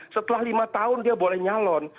setelah lima tahun dia boleh nyalon